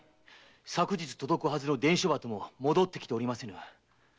昨日届くはずの伝書鳩も戻ってきておりませぬ。